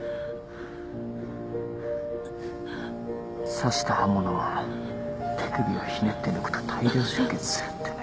・刺した刃物は手首をひねって抜くと大量出血するってね。